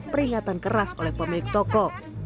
peringatan keras oleh pemilik toko